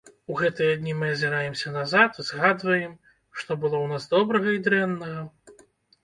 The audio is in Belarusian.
У гэтыя дні мы азіраемся назад, згадваем, што было ў нас добрага і дрэннага.